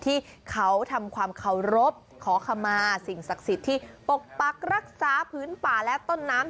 ที่เขาทำความเคารพขอขมาสิ่งศักดิ์สิทธิ์ที่ปกปักรักษาพื้นป่าและต้นน้ำ